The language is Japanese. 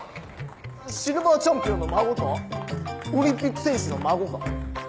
シルバーチャンピオンの孫とオリンピック選手の孫か。